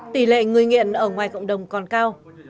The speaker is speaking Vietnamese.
tỷ lệ người nghiện ở ngoài cộng đồng còn cao